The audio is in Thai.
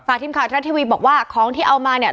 ฝากทีมข่าวท๊อตเทวีบอกว่าของที่เอามาเนี้ย